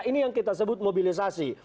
ini yang kita sebut mobilisasi